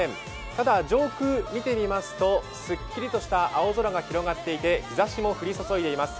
ただ上空見てみますと、すっきりとした青空が広がっていて日ざしも降り注いでいます。